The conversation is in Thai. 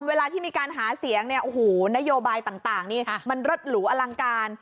เวลาที่มีการหาเสียงนโยบายต่างนี่มันรดหลู่อลังการ